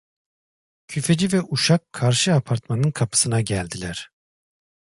Küfeci ve uşak karşı apartmanın kapısına geldiler.